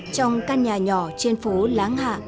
trong căn nhà nhỏ trên phố láng hạ